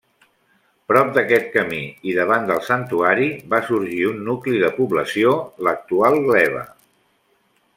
Prop d'aquest camí, i davant del Santuari, va sorgir un nucli de població, l'actual Gleva.